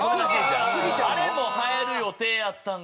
あれもはやる予定やったんが。